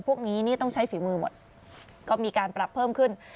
พวกนี้นี่ต้องใช้ฝีมือหมดก็มีการปรับเพิ่มขึ้น